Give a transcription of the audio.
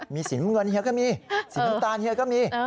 มีสีน้ำเงินเฮียก็มีสีน้ำตาลเฮียก็มี